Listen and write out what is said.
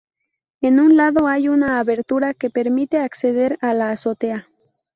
En un lado hay una abertura que permite acceder a la azotea.